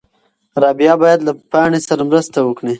رابعه باید له پاڼې سره مرسته وکړي.